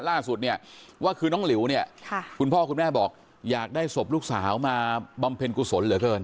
ล่าสุดเนี่ยว่าคือน้องหลิวเนี่ยคุณพ่อคุณแม่บอกอยากได้ศพลูกสาวมาบำเพ็ญกุศลเหลือเกิน